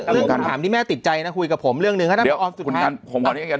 เรื่องถามที่แม่ติดใจนะคุยกับผมเรื่องนึงครับน้ำออมสุดท้าย